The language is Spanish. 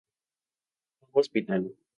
Tuvo hospital.